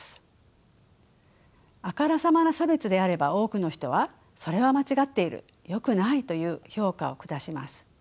あからさまな差別であれば多くの人はそれは間違っているよくないという評価を下します。